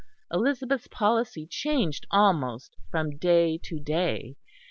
Elizabeth's policy changed almost from day to day.